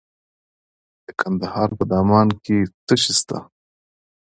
د کندهار په دامان کې څه شی شته؟